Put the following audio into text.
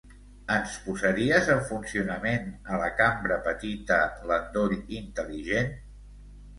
Ens posaries en funcionament a la cambra petita l'endoll intel·ligent?